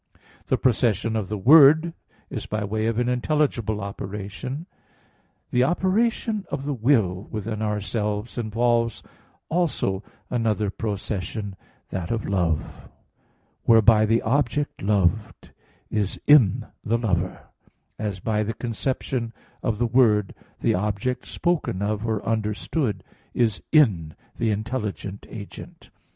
The procession of the Word is by way of an intelligible operation. The operation of the will within ourselves involves also another procession, that of love, whereby the object loved is in the lover; as, by the conception of the word, the object spoken of or understood is in the intelligent agent.